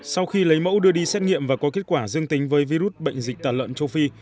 sau khi lấy mẫu đưa đi xét nghiệm và có kết quả dương tính với virus bệnh dịch tả lợn châu phi